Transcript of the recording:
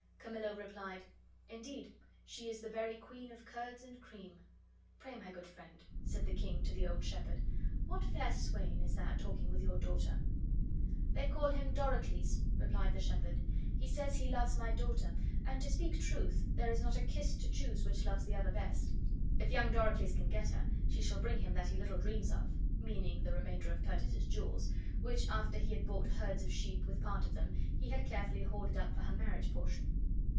Camillo replied, "Indeed she is the very queen of curds and cream." "Pray, my good friend," said the king to the old shepherd, "what fair swain is that talking with your daughter?" "They call him Doricles," replied the shepherd. "He says he loves my daughter; and, to speak truth, there is not a kiss to choose which loves the other best. If young Doricles can get her, she shall bring him that he little dreams of," meaning the remainder of Perdita's jewels; which, after he had bought herds of sheep with part of them, he had carefully hoarded up for her marriage portion.